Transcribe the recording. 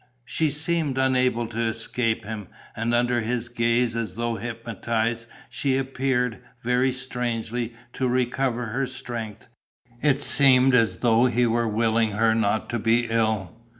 She seemed unable to escape him. And, under his glance, as though hypnotized, she appeared, very strangely, to recover her strength. It seemed as though he were willing her not to be ill.